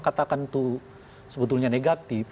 katakan itu sebetulnya negatif